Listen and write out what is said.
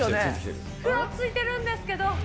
ふらついてるんですけど。